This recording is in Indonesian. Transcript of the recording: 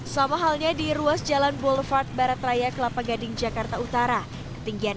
sama halnya di ruas jalan boulevard barat raya kelapa gading jakarta utara ketinggian